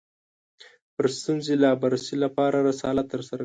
پر ستونزې لاسبري لپاره رسالت ترسره کوي